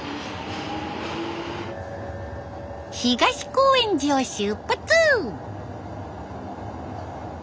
東高円寺を出発。